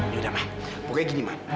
yaudah ma pokoknya gini ma